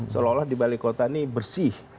seolah olah di balai kota ini bersih